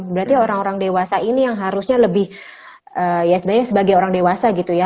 berarti orang orang dewasa ini yang harusnya lebih ya sebenarnya sebagai orang dewasa gitu ya